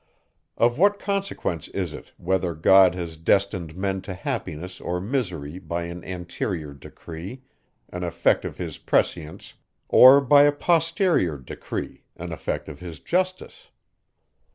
Of what consequence is it, whether God has destined men to happiness or misery by an anterior decree, an effect of his prescience, or by a posterior decree, an effect of his justice?